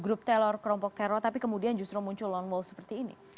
grup telor kerompok telor tapi kemudian justru muncul long wall seperti ini